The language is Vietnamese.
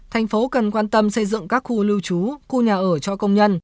thành phố cần quan tâm xây dựng các khu lưu trú khu nhà ở cho công nhân